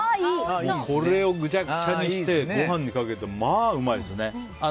これをぐちゃぐちゃにしてご飯にかけるとまあうまいですね。